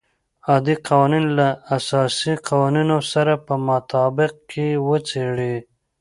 عادي قوانین له اساسي قوانینو سره په مطابقت کې وڅېړي.